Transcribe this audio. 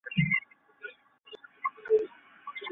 同受士人学子尊奉。